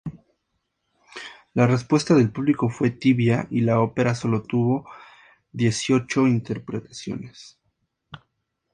La respuesta del público fue tibia y la ópera sólo tuvo dieciocho interpretaciones.